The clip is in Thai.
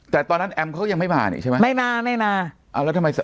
แต่ตอนนั้นแอมเขายังไม่มานี่ใช่ไหมไม่มาไม่มาเอาแล้วทำไม